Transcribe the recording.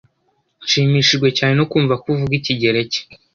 Nshimishijwe cyane no kumva ko uvuga Ikigereki.